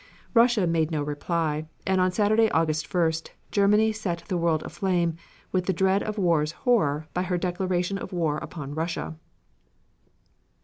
Russia made no reply, and on Saturday, August 1st, Germany set the world aflame with the dread of war's horror by her declaration of war upon Russia.